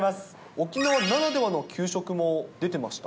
沖縄ならではの給食も出てました？